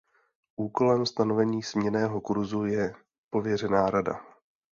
Úkolem stanovení směnného kurzu je pověřena Rada.